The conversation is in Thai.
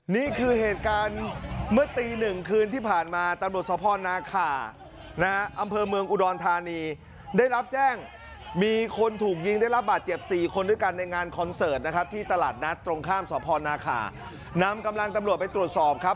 นี่คือเหตุการณ์เมื่อตีหนึ่งคืนที่ผ่านมาตำรวจสภนาคานะฮะอำเภอเมืองอุดรธานีได้รับแจ้งมีคนถูกยิงได้รับบาดเจ็บ๔คนด้วยกันในงานคอนเสิร์ตนะครับที่ตลาดนัดตรงข้ามสพนาขานำกำลังตำรวจไปตรวจสอบครับ